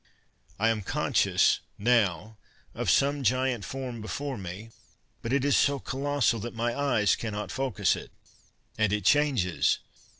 "I am conscious, now, of some giant form before me, but it is so colossal that my eyes cannot focus it. And it changes.